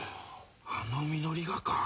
あのみのりがか？